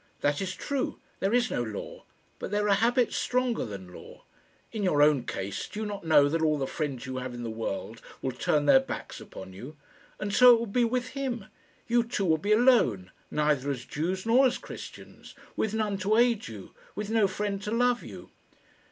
"That is true. There is no law. But there are habits stronger than law. In your own case, do you not know that all the friends you have in the world will turn their backs upon you? And so it would be with him. You two would be alone neither as Jews nor as Christians with none to aid you, with no friend to love you."